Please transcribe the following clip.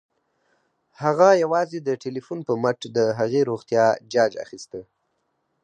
هغه یوازې د ټيليفون په مټ د هغې روغتيا جاج اخيسته